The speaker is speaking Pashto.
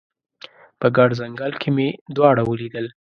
په ګڼ ځنګل کې مې دواړه ولیدل